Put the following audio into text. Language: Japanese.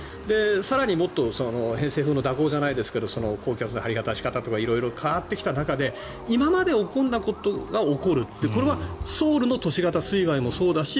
更にもっと偏西風のじゃないですが空気の張り出し方とか色々変わってきた中で今まで起こらなかったことが起こるっていうのはこれはソウルの都市型水害もそうだし